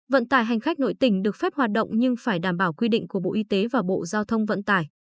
vận tải hành khách nội tỉnh được phép hoạt động nhưng phải đảm bảo quy định của bộ y tế và bộ giao thông vận tải